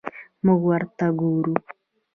موږ ورته ګورو.